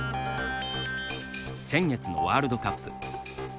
先月のワールドカップ。